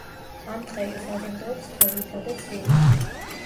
ამტყელი საზრდოობს თოვლითა და წვიმით.